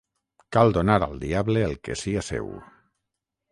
Cal donar al diable el que sia seu